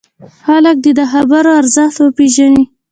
خلک دې د خبرو ارزښت وپېژني.